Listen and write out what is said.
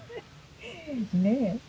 ねえ。